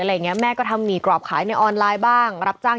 อะไรอย่างเงี้ยแม่ก็ทำหมี่กรอบขายในออนไลน์บ้างรับจ้าง